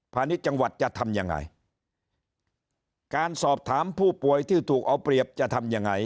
ณิชย์จังหวัดจะทำยังไงการสอบถามผู้ป่วยที่ถูกเอาเปรียบจะทำยังไง